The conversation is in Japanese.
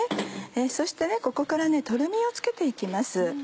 そしてここからとろみをつけて行きます。